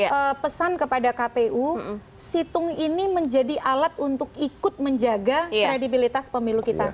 jadi kita berharap pada kpu situng ini menjadi alat untuk ikut menjaga kredibilitas pemilu kita